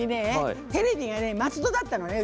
テレビ、松戸だったのね。